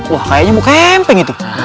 wah kayaknya mau kempeng itu